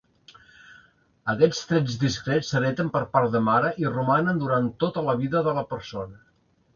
Aquests trets discrets s'hereten per part de mare i romanen durant tota la vida de la persona.